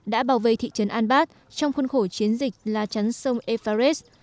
đã bảo vệ thị trấn anbat trong khuôn khổ chiến dịch la chán sông efaret